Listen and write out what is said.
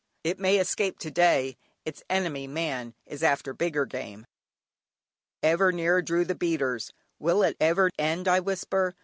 It may escape to day; its enemy, man, is after bigger game. Ever nearer drew the beaters. "Will it never end?" I whisper.